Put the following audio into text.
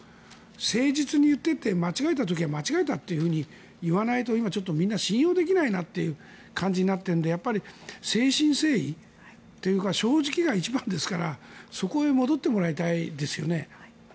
誠実に言っていて、間違えた時は間違えたと言わないと今、ちょっとみんな信用できないなという感じになっているのでやっぱり誠心誠意というか正直が一番ですからそこへ戻ってもらいたいですよね。